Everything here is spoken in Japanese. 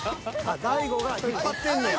［大悟が引っ張ってんねん］